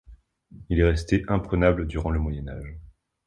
Il est resté imprenable durant le Moyen Âge.